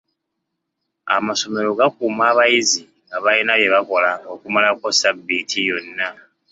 Amassomero gakuuma abayizi nga balina bye bakola okumalako ssabbiiti yonna.